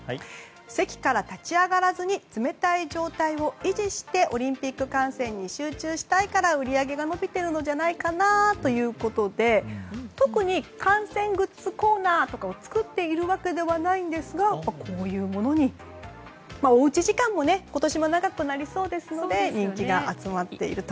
席から立ち上がらずに冷たい状態を維持してオリンピック観戦に集中したいから売り上げが伸びてるんじゃないかなということで特に観戦グッズコーナーとかを作っているわけではないんですがこういうものにおうち時間も今年も長くなりそうですので人気が集まっていると。